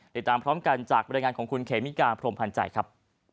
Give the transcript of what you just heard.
ติดตามพร้อมกันจากบรรยายงานของคุณเขมิกาพรมพันธ์ใจครับ